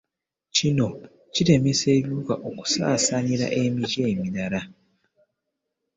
Kino kiremesa ebiwuka okusaasaanira emiti emirala.